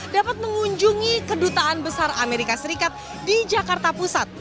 dapat mengunjungi kedutaan besar amerika serikat di jakarta pusat